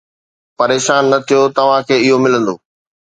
پريشان نه ٿيو توهان کي اهو ملندو